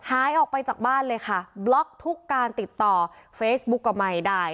หายออกไปจากบ้านเลยค่ะบล็อกทุกการติดต่อเฟซบุ๊กก็ไม่ได้